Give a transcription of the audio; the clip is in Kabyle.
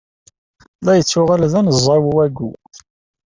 La yettuɣal d aneẓẓaw wagu.